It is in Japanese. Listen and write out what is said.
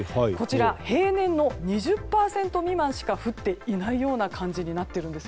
平年の２０％未満しか降っていないような感じになってるんです。